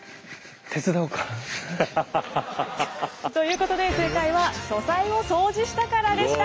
ハハハハハハ！ということで正解は「書斎を掃除したから」でした。